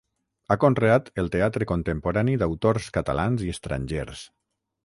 Ha conreat el teatre contemporani d'autors catalans i estrangers.